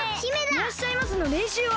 いらっしゃいませのれんしゅうは？